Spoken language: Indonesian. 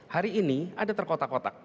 hari ini ada terkotak kotak